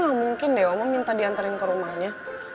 jadi kayaknya gak mungkin deh oma minta dianterin ke rumahnya